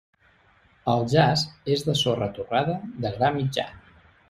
El jaç és de sorra torrada de gra mitjà.